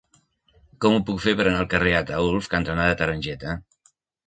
Com ho puc fer per anar al carrer Ataülf cantonada Tarongeta?